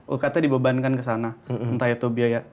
ukt dibebankan ke sana entah itu biaya